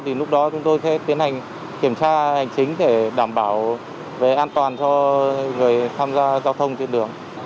thì lúc đó chúng tôi sẽ tiến hành kiểm tra hành chính để đảm bảo về an toàn cho người tham gia giao thông trên đường